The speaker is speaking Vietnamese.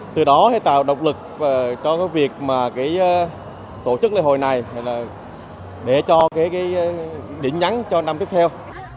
từ đó tạo động lực cho việc tổ chức lễ hội này để cho điểm nhắn cho năm tiếp theo